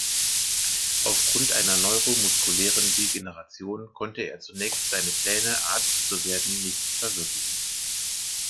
Aufgrund einer neuromuskulären Degeneration konnte er zunächst seine Pläne Arzt zu werden nicht verwirklichen.